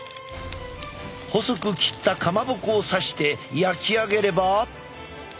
細く切ったかまぼこをさして焼き上げれば。